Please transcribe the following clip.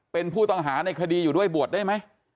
เป็นผู้ต้องหาในคดีอยู่ด้วยบวชได้ไหม